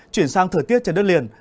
chuyển sang thời tiết trên đất liền